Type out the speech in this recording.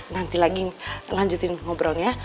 nanti lagi lanjutin ngobrolnya